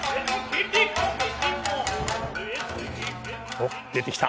おっ出てきた。